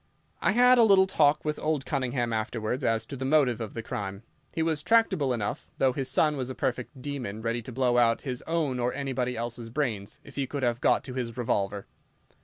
"I had a little talk with old Cunningham afterwards as to the motive of the crime. He was tractable enough, though his son was a perfect demon, ready to blow out his own or anybody else's brains if he could have got to his revolver.